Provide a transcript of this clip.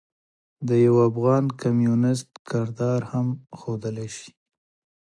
د يوافغان کميونسټ کردار هم ښودلے شي.